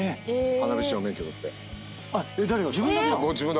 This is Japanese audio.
花火師の免許取って。